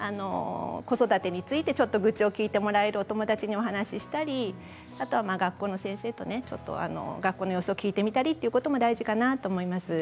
子育てについて、ちょっと愚痴を聞いてもらえるお友達とお話をしたりあと、学校の先生に学校の様子を聞いてみたりとそういうことも大事かなと思います。